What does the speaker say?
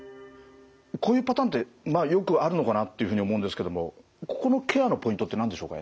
こういうパターンってまあよくあるのかなっていうふうに思うんですけどもここのケアのポイントって何でしょうか？